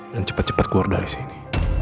dan cepet cepet keluar dari sini